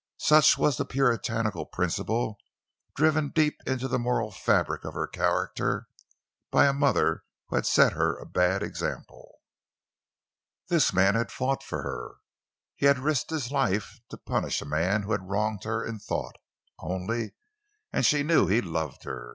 Such was the puritanical principle driven deep into the moral fabric of her character by a mother who had set her a bad example. This man had fought for her; he had risked his life to punish a man who had wronged her in thought, only; and she knew he loved her.